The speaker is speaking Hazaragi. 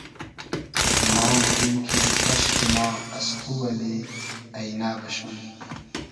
ما موگیم کی کئشکی ما از تو اللی اݷنۂ بئشوم